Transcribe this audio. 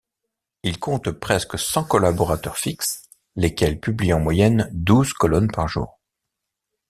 Il compte presque cent collaborateurs fixes, lesquels publient en moyenne douze colonnes par jour.